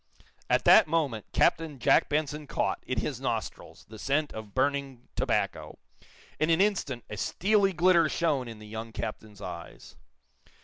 At that moment Captain Jack Benson caught, in his nostrils, the scent of burning tobacco. In an instant a steely glitter shone in the young captain's eyes.